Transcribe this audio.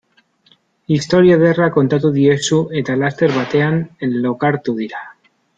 Istorio ederra kontatu diezu eta laster batean lokartu dira.